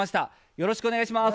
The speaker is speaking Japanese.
よろしくお願いします。